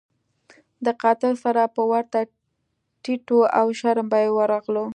د قاتل سر به ورته ټیټ وو او شرم به یې ورغلو.